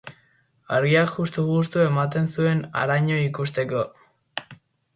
Argiak justu-justu ematen zuen haraino ikusteko.